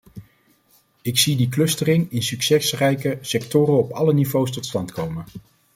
Ik zie die clustering in succesrijke sectoren op alle niveaus tot stand komen.